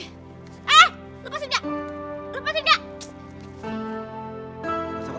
eh lepasin gak lepasin gak